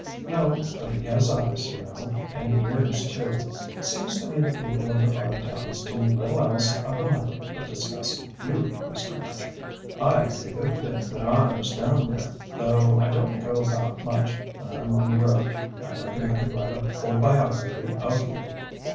"No, but he has eyes, you know, and ears too. Seems to me the people of the Five Towns do little else of a night but discuss you, Mr. Machin. I heard a good bit when I was down there, though I don't go about much when I'm on the road. I reckon I could write a whole biography of you."